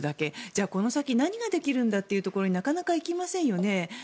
じゃあこの先何ができるんだというところになかなか行きませんよね。